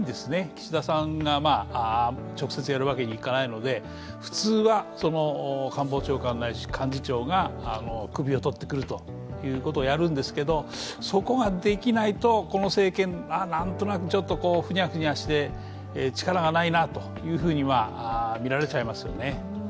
岸田さんが直接やるわけにいかないので普通は官房長官ないし幹事長が首をとってくることをやるんですがそこができないと、この政権なんとなくふにゃふにゃして力がないなと見られちゃいますよね。